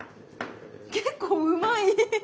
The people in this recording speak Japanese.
結構うまい。